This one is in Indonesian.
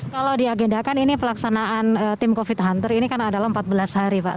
kalau diagendakan ini pelaksanaan tim covid hunter ini kan adalah empat belas hari pak